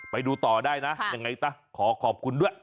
ไปดูต่อได้นะยังไงซะขอขอบคุณด้วย